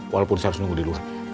walaupun saya harus nunggu di luar